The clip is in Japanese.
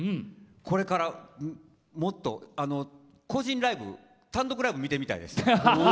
これから、もっと個人ライブ単独ライブを見てみたいです。